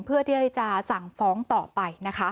เพื่อที่จะสั่งฟ้องต่อไปนะคะ